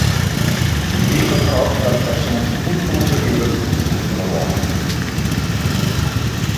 Ik reken erop dat er zo'n spoedprocedures ingevoerd zullen worden.